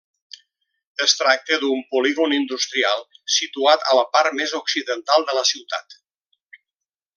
Es tracta d'un polígon industrial situat a la part més occidental de la ciutat.